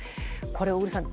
これ、小栗さん